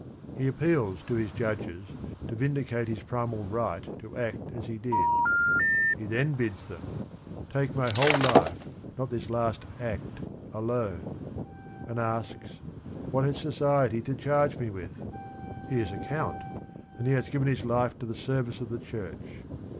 He appeals to his judges to vindicate his primal right to act as he did. He then bids them "Take my whole life, not this last act alone" and asks "What has Society to charge me with?" He is a Count, and he has given his life to the service of the church.